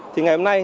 thì ngày hôm nay